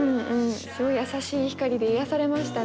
すごい優しい光で癒やされましたね。